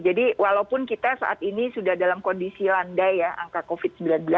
walaupun kita saat ini sudah dalam kondisi landai ya angka covid sembilan belas